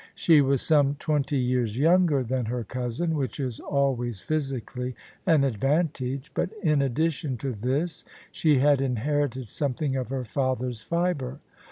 She was some twenty years younger [i8] OF ISABEL CARNABY than her cousin, which is always physically an advantage: but in addition to this she had inherited something of her father's fibre.